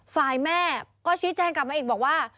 ฝ่ายแม่ก็ชี้แจ้งกลับมาอีกบอกว่า